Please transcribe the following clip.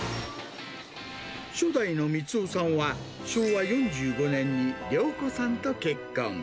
初代の光雄さんは、昭和４５年に良子さんと結婚。